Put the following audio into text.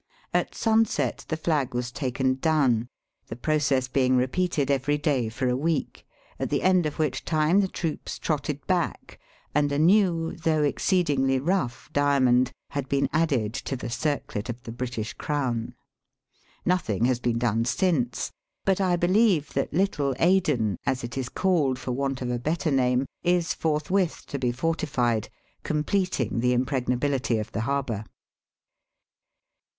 At sunset the flag was taken down, the process being repeated every day for a week, at the end of which time the troops trotted back, and a new, though exceedingly rough, diamond had been added to the circlet of the British crown. Nothing has been done since, but I beHeve that Little Aden, as it is called for want of a better name, is forthwith to be fortified,, completing the impregnability of the harbour.